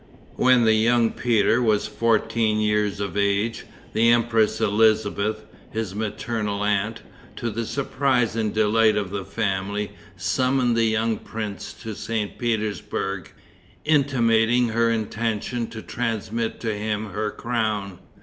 When young Peter was fourteen years of age, the Empress Elizabeth, his maternal aunt, to the surprise and delight of the family, summoned the young prince to St. Petersburg, intimating her intention to transmit to him her crown.